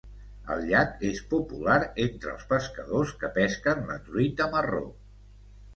El llac és popular entre els pescadors que pesquen la truita marró.